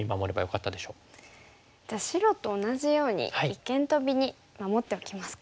じゃあ白と同じように一間トビに守っておきますか。